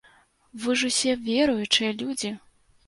Вы ж усе веруючыя людзі!